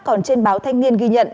còn trên báo thanh niên ghi nhận